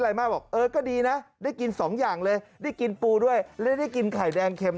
อะไรมากบอกเออก็ดีนะได้กินสองอย่างเลยได้กินปูด้วยและได้กินไข่แดงเข็ม